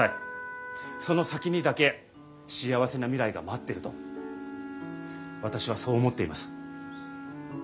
その先にだけ幸せな未来が待ってると私はそう思っています。